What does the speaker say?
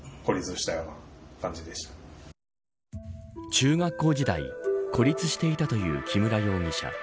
中学校時代孤立していたという木村容疑者。